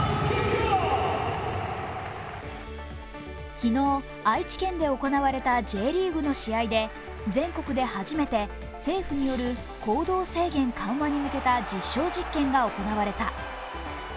昨日、愛知県で行われたＪリーグの試合で全国で初めて政府による行動制限の緩和に向けた実証実験が行われた。